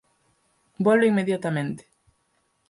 Volve inmediatamente".